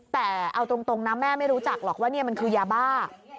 แต่เอาตรงนะแม่ไม่รู้จักหรอกว่านี่มันคือยาบ้า